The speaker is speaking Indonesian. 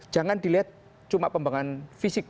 jangan dilihat cuma pembangunan fisik